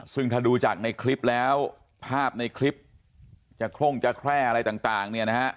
ซึ่งถ้าดูจากในคลิปแล้วภาพในคลิปจะคร่งจะแคร่อะไรต่างเนี่ยนะฮะ